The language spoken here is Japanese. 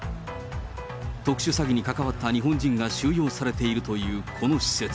特殊詐欺に関わった日本人が収容されているというこの施設。